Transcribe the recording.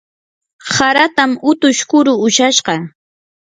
haratam utush kuru ushashqa.